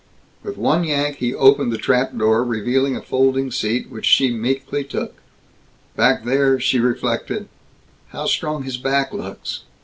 With one yank he opened the trap door, revealing a folding seat, which she meekly took. Back there, she reflected, "How strong his back looks.